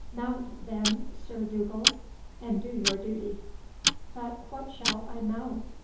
Mount, then, Sir Dugald, and do your duty." "But what shall I mount?"